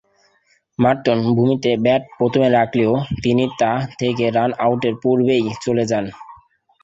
মর্টন ভূমিতে ব্যাট প্রথমে রাখলেও তিনি তা থেকে রান-আউটের পূর্বেই চলে যান।